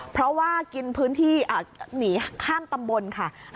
เพราะว่ากินพื้นที่หนีข้ามตำบลค่ะ